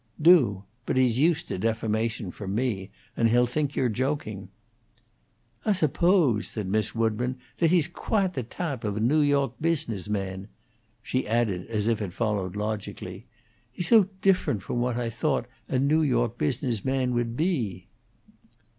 "Do. But he's used to defamation from me, and he'll think you're joking." "Ah suppose," said Miss Woodburn, "that he's quahte the tahpe of a New York business man." She added, as if it followed logically, "He's so different from what I thought a New York business man would be."